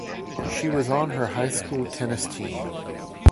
She was on her high school tennis team.